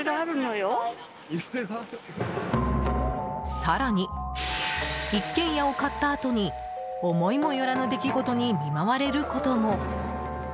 更に一軒家を買ったあとに思いもよらぬ出来事に見舞われることも。